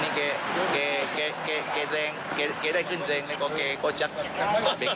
แล้วก็เก๋สักก็ออกเบ้งไว้ชัดเบียง